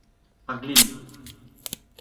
ar glin